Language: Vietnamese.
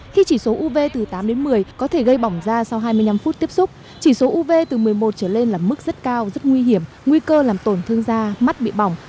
khi chỉ số uv từ tám đến một mươi có thể gây bỏng da sau hai mươi năm phút tiếp xúc chỉ số uv từ một mươi một trở lên là mức rất cao rất nguy hiểm nguy cơ làm tổn thương da mắt bị bỏng